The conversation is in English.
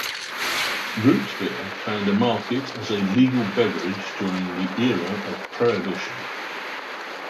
Root beer found a market as a legal beverage during the era of Prohibition.